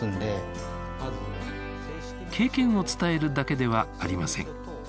経験を伝えるだけではありません。